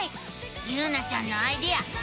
ゆうなちゃんのアイデアすごいね！